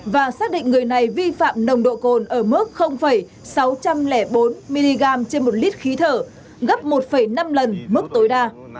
và xác định người này vi phạm nồng độ cồn ở mức sáu trăm linh bốn mg trên một lít khí thở gấp một năm lần mức tối đa